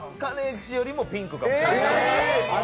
ちよりもピンクかもしれない。